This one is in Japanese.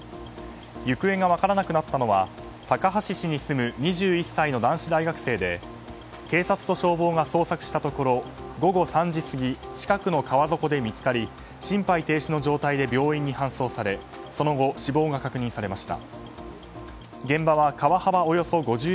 行方が分からなくなったのは高梁市に住む２１歳の男子大学生で警察と消防が捜索したところ午後３時過ぎ近くの川底で見つかり心肺停止の状態で病院に搬送されその後、死亡が確認されました。